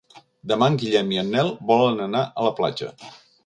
Demà en Guillem i en Nel volen anar a la platja.